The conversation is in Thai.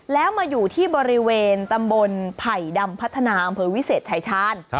แล้วมาอยู่ที่บริเวณตำบลไผ่ดำพัฒนาอำเภอวิเศษชายชาญ